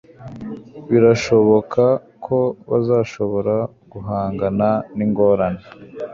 birashoboka ko bazashobora guhangana ningorane